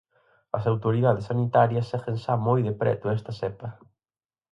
As autoridades sanitarias seguen xa moi de preto esta cepa.